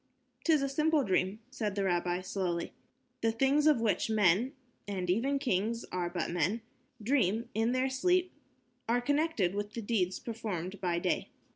"'Tis a simple dream," said the rabbi, slowly. "The things of which men and even kings are but men dream in their sleep are connected with the deeds performed by day.